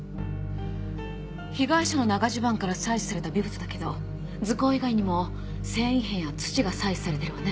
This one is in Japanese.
被害者の長襦袢から採取された微物だけど塗香以外にも繊維片や土が採取されてるわね。